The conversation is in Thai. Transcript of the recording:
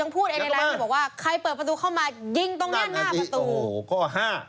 ยังพูดในรายคุณบอกว่าใครเปิดประตูเข้ามายิงตรงเนี่ยหน้าประตู